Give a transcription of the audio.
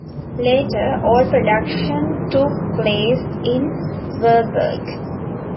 Later all production took place in Varberg.